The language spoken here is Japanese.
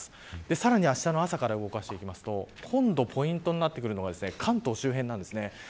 さらにあしたの朝から動かしていくと今度ポイントになるのが関東周辺です。